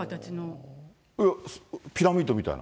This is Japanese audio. いや、ピラミッドみたいな。